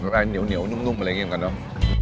คนที่มาทานอย่างเงี้ยควรจะมาทานแบบคนเดียวนะครับ